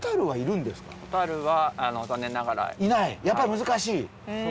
やっぱり難しい？